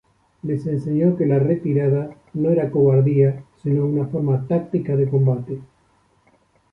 Les enseñó que la retirada no era cobardía, sino una forma táctica de combate.